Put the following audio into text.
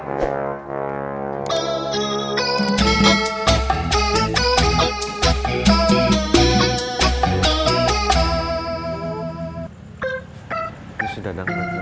ini sudah dapet